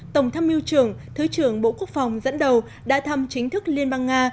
tổng tham mưu trưởng thứ trưởng bộ quốc phòng dẫn đầu đã thăm chính thức liên bang nga